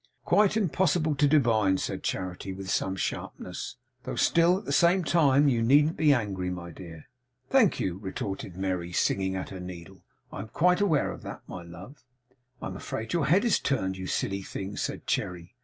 'Quite impossible to divine!' said Charity, with some sharpness, 'though still, at the same time, you needn't be angry, my dear.' 'Thank you,' retorted Merry, singing at her needle. 'I am quite aware of that, my love.' 'I am afraid your head is turned, you silly thing,' said Cherry.